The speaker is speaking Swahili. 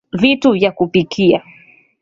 vitu vya kupikia